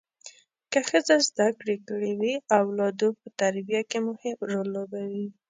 که ښځه زده کړې کړي وي اولادو په تربیه کې مهم رول لوبوي